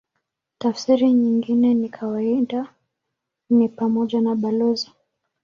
Tafsiri nyingine ya kawaida ni pamoja na balozi.